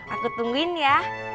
aku tungguin ya